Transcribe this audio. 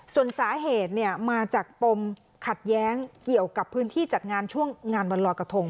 ส่วนสาเหตุมาจากปมขัดแย้งเกี่ยวกับพื้นที่จัดงานช่วงงานวันลอยกระทง